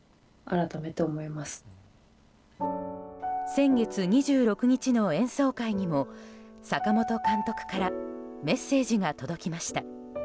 先月２６日の演奏会にも坂本監督からメッセージが届きました。